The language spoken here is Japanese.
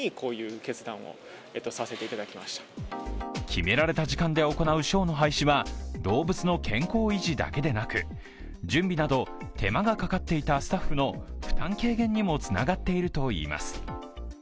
決められた時間で行うショーの廃止は動物の健康維持だけでなく準備など手間がかかっていたスタッフの負担軽減にもつながっているといいます。